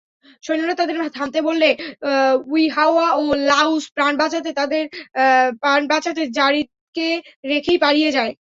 সৈন্যরা তাদের থামতে বললে ইউহাওয়া ও লাঈছ প্রাণ বাঁচাতে যারীদকে রেখেই পালিয়ে যায়।